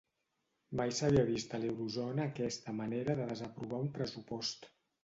Mai s'havia vist a l'Eurozona aquesta manera de desaprovar un pressupost